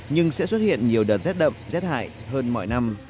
nhưng sẽ xuất hiện nhiều đợt rét đậm rét hại hơn mọi năm